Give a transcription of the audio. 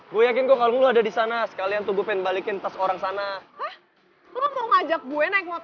bener kan mak apa kata aku